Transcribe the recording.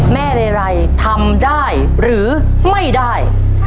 เรไรทำได้หรือไม่ได้